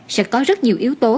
sẽ có rất nhiều yếu tố